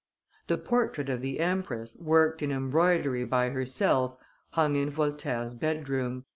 The portrait of the empress, worked in embroidery by herself, hung in Voltaire's bedroom.